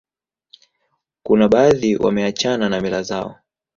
kuna baadhi wameachana na mila zao